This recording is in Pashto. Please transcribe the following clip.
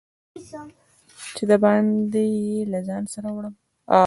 چې د باندي یې له ځان سره وړم